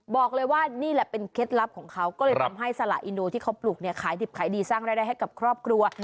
บอกเลยว่านี่แหละเป็นเคล็ดลับของเขาก็เลยทำให้สละอินโดที่เขาปลูกเนี่ยขายดิบขายดีสร้างรายได้ให้กับครอบครัว